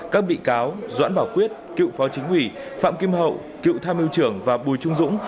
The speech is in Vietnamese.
các bị cáo doãn bảo quyết cựu phó chính ủy phạm kim hậu cựu tham mưu trưởng và bùi trung dũng